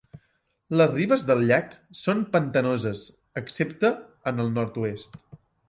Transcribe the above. Les ribes del llac són pantanoses excepte en el nord-oest.